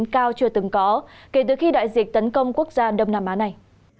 cao chưa từng có kể từ khi đại dịch tấn công quốc gia đông nam á này